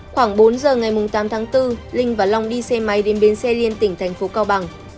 khoảng bốn giờ ngày tám tháng bốn linh và long đi xe máy đến bên xe liên tỉnh tp cao bằng